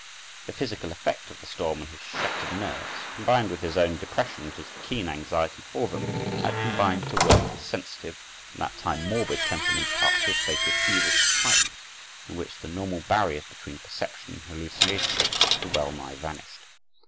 The physical effect of the storm on his shattered nerves, combined with his own depression and his keen anxiety for them, had combined to work his sensitive, and at that time morbid, temperament up to a state of feverish excitement, in which the normal barriers between perception and hallucination had well nigh vanished.